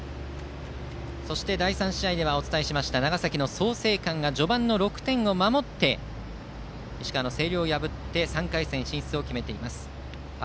そして第３試合ではお伝えしましたが長崎・創成館が序盤の６点を守って石川・星稜を破って３回戦進出を決めています。